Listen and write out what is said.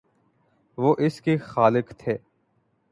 وہ اس کے خالق تھے۔